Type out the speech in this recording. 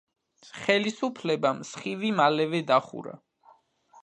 ხელისუფლებამ „სხივი“ მალე დახურა.